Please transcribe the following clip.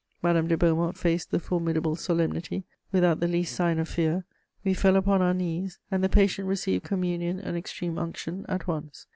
Madame de Beaumont faced the formidable solemnity without the least sign of fear. We fell upon our knees, and the patient received Communion and Extreme Unction at once.